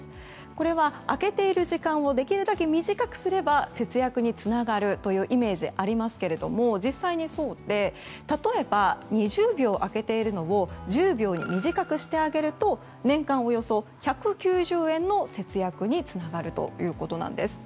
これは、開けている時間をできるだけ短くすれば節約につながるというイメージがありますが実際にそうで例えば、２０秒開けているのを１０秒に短くしてあげると年間およそ１９０円の節約につながるということなんです。